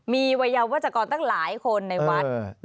มีวัยยาวัชกรตั้งหลายคนในวัด